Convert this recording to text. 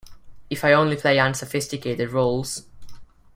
If I only play unsophisticated roles?